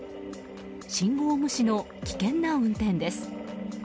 信号無視の危険な運転です。